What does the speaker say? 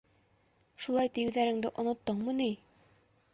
Шулай тиеүҙәреңде оноттоңмо ни?